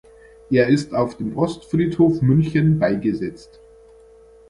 Er ist auf dem Ostfriedhof München beigesetzt.